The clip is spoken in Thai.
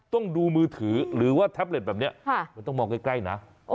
ต้องดูมือถือหรือว่าแท็บเล็ตแบบนี้มันต้องมองใกล้นะ